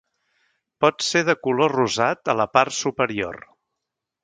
Pot ser de color rosat a la part superior.